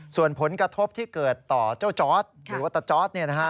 ส่วนผลกระทบที่เกิดต่อเจ้าจอร์ดหรือว่าตะจอร์ด